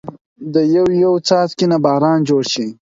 دا يو يو څاڅکي نه باران جوړ شي